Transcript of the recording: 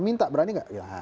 minta berani nggak